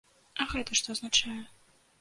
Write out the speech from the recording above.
А гэта што азначае?